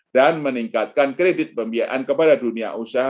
dan meningkatkan kredit pembiayaan kepada dunia usaha